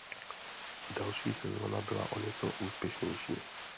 Další sezóna byla o něco úspěšnější.